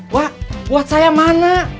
wah buat saya mana